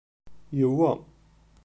Yewwa.